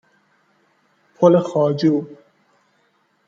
پل خواجو